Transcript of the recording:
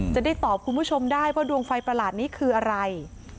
จะได้ตอบคุณผู้ชมได้ว่าดวงไฟประหลาดนี้คืออะไร